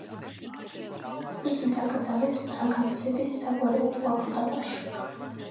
იგი დაკრძალეს ბრაგანსების საგვარეულო აკლდამაში.